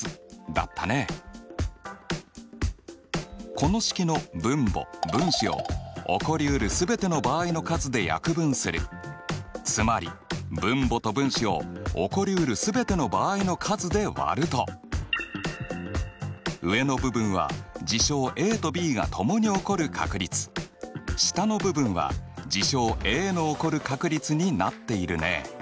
この式の分母・分子を起こりうるすべての場合の数で約分するつまり分母と分子を起こりうるすべての場合の数で割ると上の部分は事象ＡとＢがともに起こる確率下の部分は事象Ａの起こる確率になっているね。